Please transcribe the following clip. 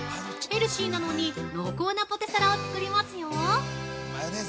ヘルシーなのに濃厚なポテサラを作りますよ◆